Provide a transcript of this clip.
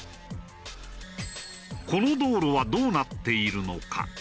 この道路はどうなっているのか？